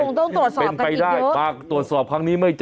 ก็คงต้องตรวจสอบกันอีกเยอะเป็นไปได้มาตรวจสอบครั้งนี้ไม่เจอ